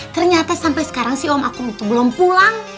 ternyata sampai sekarang si om akum itu belum pulang